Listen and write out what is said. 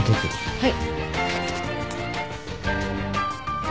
はい。